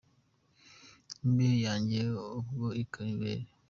Imbehe yanjye ubwo ikaba ibere.